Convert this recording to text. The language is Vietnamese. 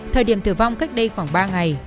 thời điểm tử vong cách đây khoảng ba ngày